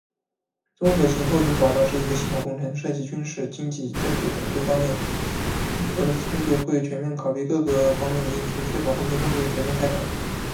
综合性：后勤保障是一个系统工程，涉及军事、经济、政治等多个方面。俄罗斯军队会全面考虑各个方面的因素，确保后勤工作的全面展开。